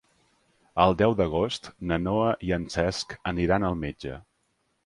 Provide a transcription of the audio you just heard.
El deu d'agost na Noa i en Cesc aniran al metge.